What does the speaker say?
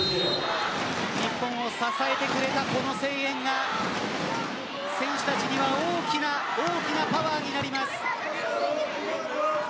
日本を支えてくれた、この声援が選手たちには大きな大きなパワーになります。